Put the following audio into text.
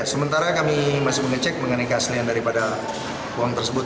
sementara kami masih mengecek mengenai keaslian daripada uang tersebut